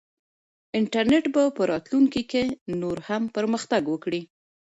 انټرنیټ به په راتلونکي کې نور هم پرمختګ وکړي.